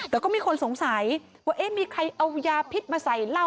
แต่ก็มีคนสงสัยว่าเอ๊ะมีใครเอายาพิษมาใส่เหล้า